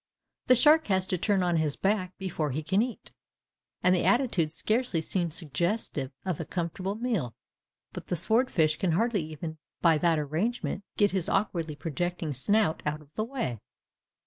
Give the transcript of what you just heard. The shark has to turn on his back before he can eat, and the attitude scarcely seems suggestive of a comfortable meal. But the sword fish can hardly even by that arrangement get his awkwardly projecting snout out of the way.